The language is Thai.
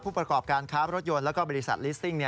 ผู้ประกอบการคาบรถยนต์และก็บริษัทลิสติ้ง